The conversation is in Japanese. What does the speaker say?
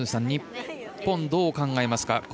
日本、どう考えますか。